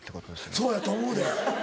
そうやと思うで。